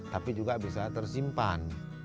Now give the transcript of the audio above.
tapi juga bisa tersimpan